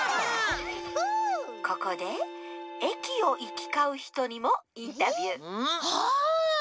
ここでえきをいきかうひとにもインタビューああ！